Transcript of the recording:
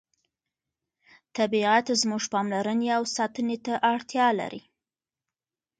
طبیعت زموږ پاملرنې او ساتنې ته اړتیا لري